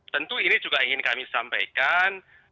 tentu ini juga ingin kami sampaikan